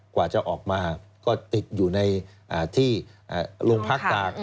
กว่าจะออกมาก็ติดอยู่ในที่โรงพักตาก